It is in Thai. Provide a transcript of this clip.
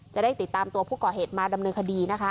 จะได้ติดตามตัวผู้ก่อเหตุมาดำเนินคดีนะคะ